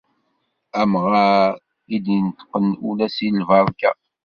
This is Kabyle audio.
Amɣar i d-ineṭqen ula si lberka.